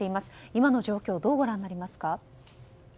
今の状況をどうご覧になりますか？